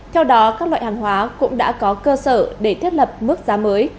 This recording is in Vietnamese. theo đó các loại hàng hóa cũng đã có cơ sở để thiết lập mức giá mới